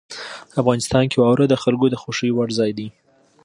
افغانستان کې واوره د خلکو د خوښې وړ ځای دی.